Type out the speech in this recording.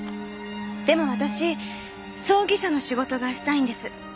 でも私葬儀社の仕事がしたいんです。